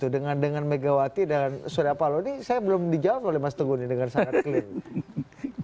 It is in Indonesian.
dengan megawati dan surya paloni saya belum dijawab oleh mas teguh dengan sangat jelas